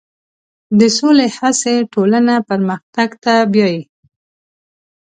د سولې هڅې ټولنه پرمختګ ته بیایي.